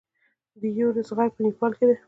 د ایورسټ غر په نیپال کې دی.